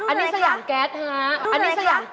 อันนี้สยามแก๊สฮะ